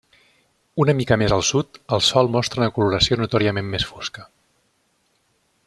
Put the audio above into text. Una mica més al sud, el sòl mostra una coloració notòriament més fosca.